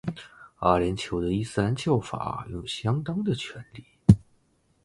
阿联酋的伊斯兰教法拥有相当的权力。